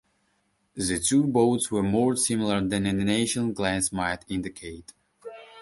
The two boats were more similar than an initial glance might indicate.